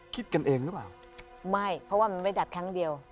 คิดกันเองหรือเปล่าไม่เพราะว่ามันไม่ดับครั้งเดียว